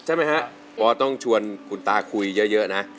ใช่ไหมฮะปอต้องชวนคุณตาคุยเยอะนะ